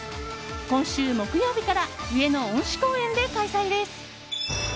今週木曜日から上野恩賜公園で開催です。